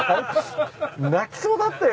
泣きそうだったよ